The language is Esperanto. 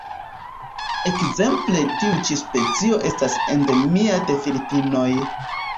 Ekzemple tiu ĉi specio estas endemia de Filipinoj.